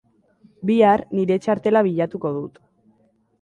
Bihar nire txartela bilatuko dut.